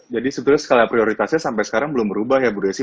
jadi sebetulnya skala prioritasnya sampai sekarang belum berubah ya bu desi